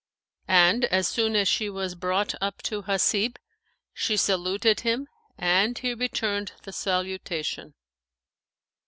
And as soon as she was brought up to Hasib, she saluted him and he returned the salutation.